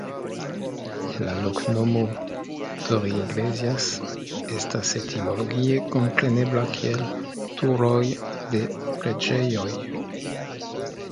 La loknomo "Torreiglesias" estas etimologie komprenebla kiel Turo(j) de Preĝejo(j).